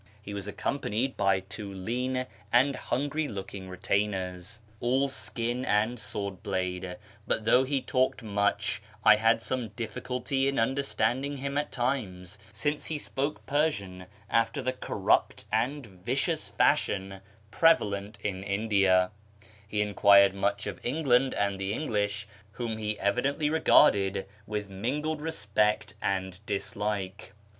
He was accompanied by two lean and hungry looking retainers. 440 A VEAK AMONGST THE PERSIANS all skill aiul sword bliide ; but tli()\iL; li lu' talked inucli 1 1i;m1 some ditliculty in uuderstjiuding liini at times, since he spoke Persian after the corrupt and vicious fashion prevalent in India. He enquired much of England and the iMiulish, whom he evidently regarded with mingled respect and dislike.